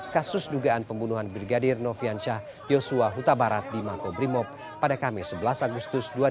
kasus dugaan pembunuhan brigadir novi ancah yosua huta barat di mako brimob pada kamis sebelas agustus dua ribu dua puluh dua